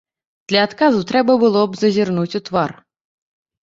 Для адказу трэба было б зазірнуць у твар.